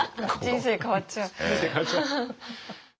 人生変わっちゃう。